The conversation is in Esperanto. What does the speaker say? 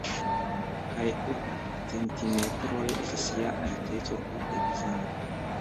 Kaj ok centimetroj estas ja alteco tute bizara.